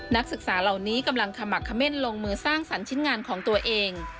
นักศึกษาเหล่านี้กำลังขมักเม่นลงมือสร้างสรรค์ชิ้นงานของตัวเอง